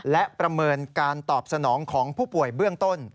และประเมินการตอบสนองของผู้ป่วยเบื้องต้น